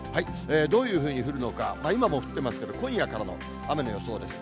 どういうふうに降るのか、今も降ってますけど、今夜からの雨の予想です。